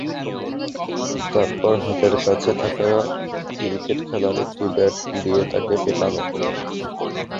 তারপর হাতের কাছে থাকা ক্রিকেট খেলার একটি ব্যাট দিয়ে তাঁকে পেটান।